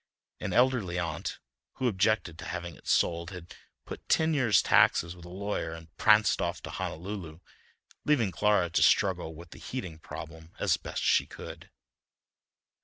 An elderly aunt, who objected to having it sold, had put ten years' taxes with a lawyer and pranced off to Honolulu, leaving Clara to struggle with the heating problem as best she could.